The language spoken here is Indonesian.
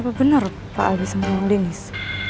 apa benar pak al bisa menolong dennis